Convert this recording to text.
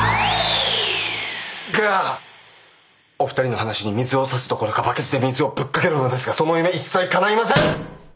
がお二人の話に水を差すどころかバケツで水をぶっかけるのですがその夢一切かないません！